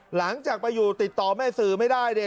หลังจากไปอยู่ติดต่อแม่สื่อไม่ได้เนี่ย